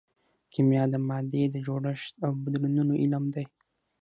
کیمیا د مادې د جوړښت او بدلونونو علم دی.